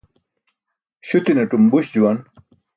Śuti̇naṭum buś juwan.